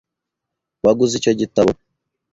Waguze icyo gitabo?